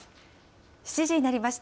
７時になりました。